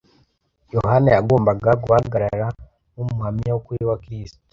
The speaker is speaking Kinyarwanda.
Yohana yagombaga guhagarara nk’umuhamya w’ukuri wa Kristo